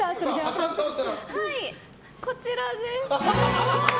こちらです！